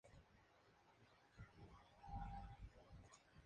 A pesar de esto Goyeneche encontró desagradable a Ribbentrop.